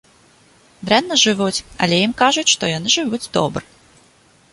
Дрэнна жывуць, але ім кажуць, што яны жывуць добра.